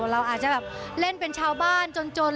เราอาจจะแบบเล่นเป็นชาวบ้านจน